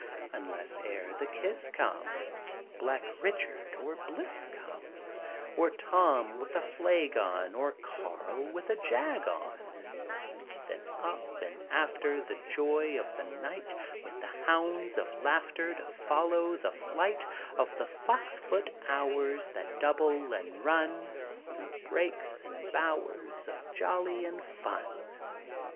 Unless ere the kiss come, Black Richard or Bliss come, Or Tom with a flagon, Or Karl with a jag on Then up and after The joy of the night With the hounds of laughter To follow the flight Of the fox foot hours That double and run Through brakes and bowers Of folly and fun.